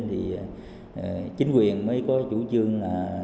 thì chính quyền mới có chủ chương